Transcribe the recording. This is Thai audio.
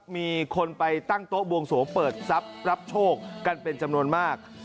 มีคนไปตั้งโต๊ะบวงสวงเปิดทรัพย์รับโชคกันเป็นจำนวนมาก